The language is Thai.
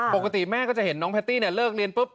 ปกติแม่ก็จะเห็นน้องแพตตี้เลิกเรียนปุ๊บ